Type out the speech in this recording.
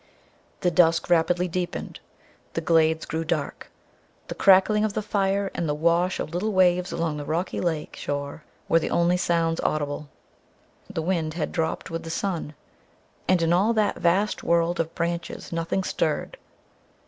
The dusk rapidly deepened; the glades grew dark; the crackling of the fire and the wash of little waves along the rocky lake shore were the only sounds audible. The wind had dropped with the sun, and in all that vast world of branches nothing stirred.